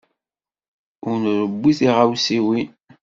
Ur rewwi tiɣawsiwin.